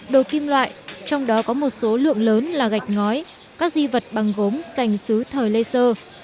đồ kim loại trong đó có một số lượng lớn là gạch ngói các di vật bằng gốm sành xứ thời lê sơ